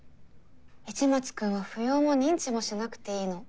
市松君は扶養も認知もしなくていいの。